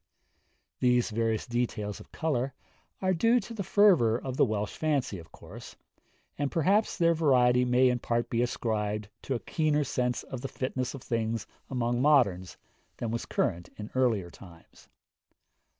These various details of colour are due to the fervour of the Welsh fancy, of course, and perhaps their variety may in part be ascribed to a keener sense of the fitness of things among moderns than was current in earlier times.